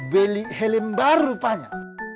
beli helim bar rupanya